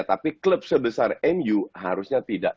tapi klub sebesar mu harusnya tidak